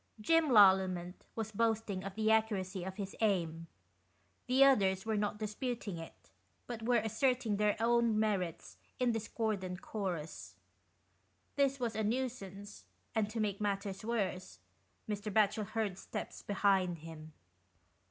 Jim Lallement was boasting of the 61 accuracy of his aim : the others were not dis puting it, but were asserting their own merits in discordant chorus. This was a nuisance, and to make matters worse, Mr. Batchel heard steps behind him.